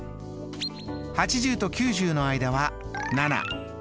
８０と９０の間は７。